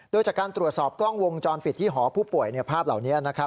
โดยจากการตรวจสอบกล้องวงจรปิดที่หอผู้ป่วยภาพเหล่านี้นะครับ